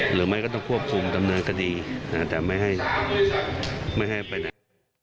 หรือไม่ก็ต้องควบคุมดำเนินคดีแต่ไม่ให้ไปไหน